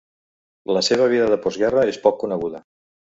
La seva vida de post guerra és poc coneguda.